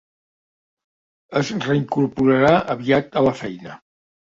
Es reincorporarà aviat a la feina.